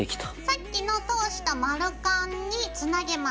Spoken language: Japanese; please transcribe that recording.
さっきの通した丸カンにつなげます。